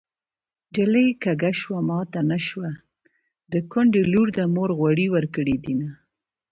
نجلۍ کږه شوه ماته نشته د کونډې لور ده مور غوړي ورکړې دينه